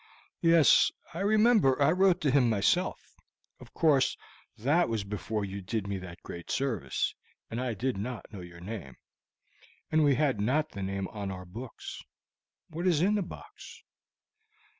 "Yes, I remember I wrote to him myself. Of course that was before you did me that great service, and I did not know your name, and we had not the name on our books. What is in the box?"